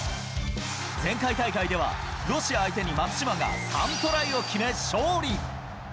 前回大会ではロシア相手に松島が３トライを決め勝利。